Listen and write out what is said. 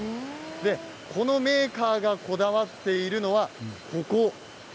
このメーカーがこだわっているのはここです。